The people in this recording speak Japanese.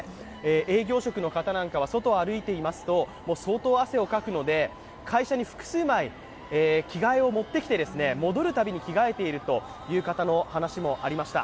営業職の方なんかは外を歩いていますと相当汗をかくので会社に複数枚、着替えを持ってきて、戻るたびに着替えているという方の話もありました。